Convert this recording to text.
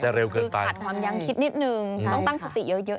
คือขาดความยังคิดนิดนึงต้องตั้งสติเยอะ